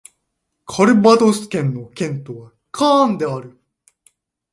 カルヴァドス県の県都はカーンである